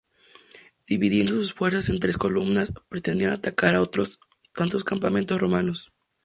Dividiendo sus fuerzas en tres columnas pretendían atacar a otros tantos campamentos romanos.